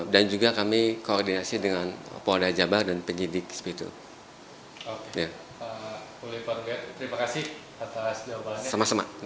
dan juga kami koordinasi dengan polda jabar dan penyidik seperti itu